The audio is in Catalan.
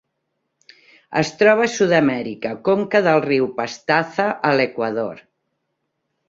Es troba a Sud-amèrica: conca del riu Pastaza a l'Equador.